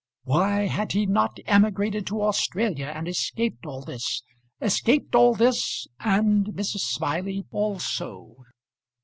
Why had he not emigrated to Australia, and escaped all this, escaped all this, and Mrs. Smiley also?